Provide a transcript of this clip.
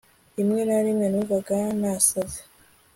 rimwe na rimwe numvaga nasaze